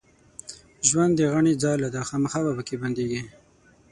ژوند د غڼي ځاله ده خامخا به پکښې بندېږې